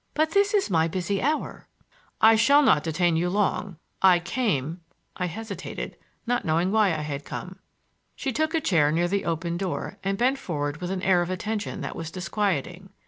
But this is my busy hour." "I shall not detain you long. I came,"—I hesitated, not knowing why I had come. She took a chair near the open door and bent forward with an air of attention that was disquieting.